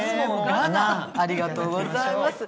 ありがとうございます。